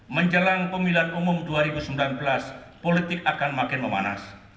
menjelang pemilihan umum dua ribu sembilan belas politik akan makin memanas